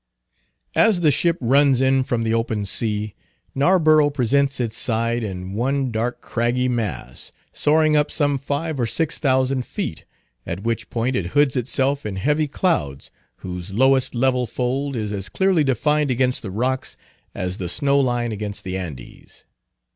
As the ship runs in from the open sea, Narborough presents its side in one dark craggy mass, soaring up some five or six thousand feet, at which point it hoods itself in heavy clouds, whose lowest level fold is as clearly defined against the rocks as the snow line against the Andes.